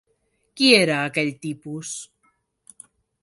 Qui era aquell tipus?